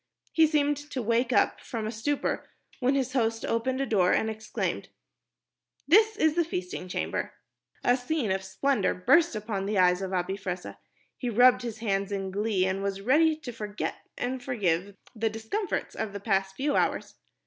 He seemed to wake up from a stupor when his host opened a door and exclaimed, "This is the feasting chamber." A scene of splendor burst upon the eyes of Abi Fressah. He rubbed his hands in glee and was ready to forget and forgive the discomforts of the past few hours.